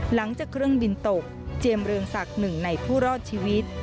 หลังจากเครื่องบินตกเจียมเรืองศักดิ์หนึ่งในผู้รอดชีวิต